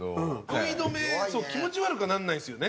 酔い止めそう気持ち悪くはなんないんですよね。